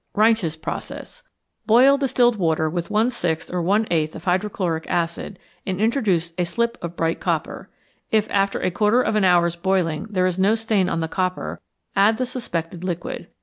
Reinsch's Process. Boil distilled water with one sixth or one eighth of hydrochloric acid, and introduce a slip of bright copper. If, after a quarter of an hour's boiling, there is no stain on the copper, add the suspected liquid.